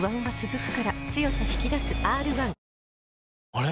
あれ？